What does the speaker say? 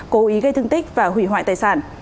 cố ý gây thương tích và hủy hoại tài sản